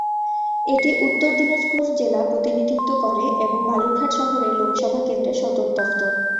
এটি উত্তর দিনাজপুর জেলা প্রতিনিধিত্ব করে এবং বালুরঘাট শহরে লোকসভা কেন্দ্রের সদর দফতর।